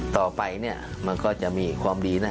ต่อไปเนี่ยมันก็จะมีความดีนะ